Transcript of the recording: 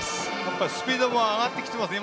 スピードも上がってきていますね。